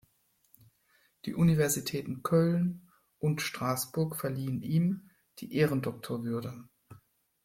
Die Universitäten Köln und Straßburg verliehen ihm die Ehrendoktorwürde.